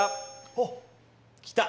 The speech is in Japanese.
あっ！来た！